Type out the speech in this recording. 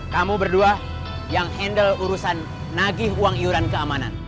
kamu berdua yang handle urusan nagih uang iuran keamanan